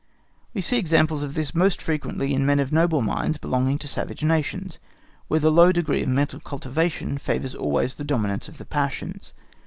We see examples of this most frequently in men of noble minds belonging to savage nations, where the low degree of mental cultivation favours always the dominance of the passions.